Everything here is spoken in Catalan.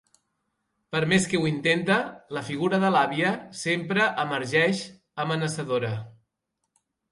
Per més que ho intenta, la figura de l'àvia sempre emergeix, amenaçadora.